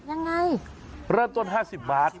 ยังไงเริ่มต้น๕๐บาท